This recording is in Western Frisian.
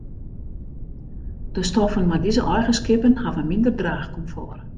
De stoffen mei dizze eigenskippen hawwe minder draachkomfort.